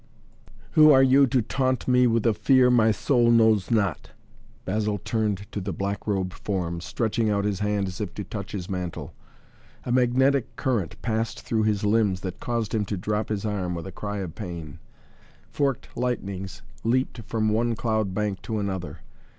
"Who are you to taunt me with a fear my soul knows not?" Basil turned to the black robed form, stretching out his hand as if to touch his mantle. A magnetic current passed through his limbs that caused him to drop his arm with a cry of pain. Forked lightnings leaped from one cloud bank to another.